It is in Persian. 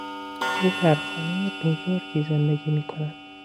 او در خانهی بزرگی زندگی میکند.